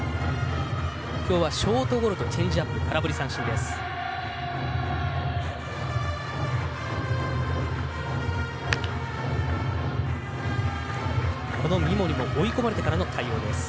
きょうはショートゴロとチェンジアップ空振り三振でした。